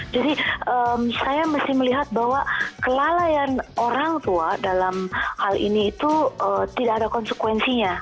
jadi saya mesti melihat bahwa kelalaian orang tua dalam hal ini itu tidak ada konsekuensinya